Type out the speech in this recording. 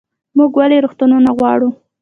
موږ ولې روغتونونه غواړو؟